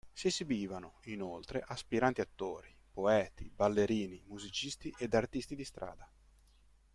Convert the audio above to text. Si esibivano, inoltre, aspiranti attori, poeti, ballerini, musicisti, ed artisti di strada.